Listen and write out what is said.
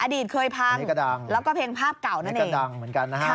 อดีตเคยพังแล้วก็เพลงภาพเก่านั่นเอง